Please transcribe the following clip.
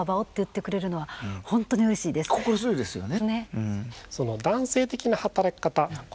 心強いですよね。